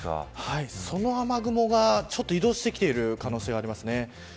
その雨雲がちょっと移動している可能性があります。